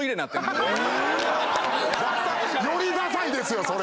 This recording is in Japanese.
よりダサいですよそれ。